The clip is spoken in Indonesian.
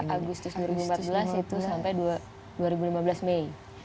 agustus dua ribu empat belas itu sampai dua ribu lima belas mei